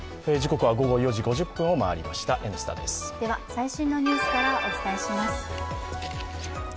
最新のニュースからお伝えします。